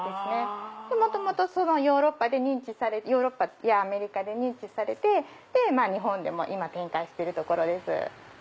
元々ヨーロッパやアメリカで認知されて日本でも今展開してるところです。